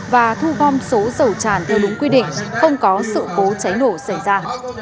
và thu gom số dầu tràn theo đúng quy định không có sự cố cháy nổ xảy ra